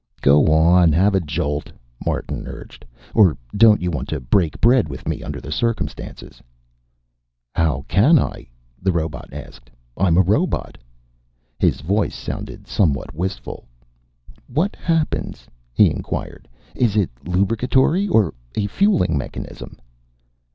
"Go on, have a jolt," Martin urged. "Or don't you want to break bread with me, under the circumstances?" "How can I?" the robot asked. "I'm a robot." His voice sounded somewhat wistful. "What happens?" he inquired. "Is it a lubricatory or a fueling mechanism?"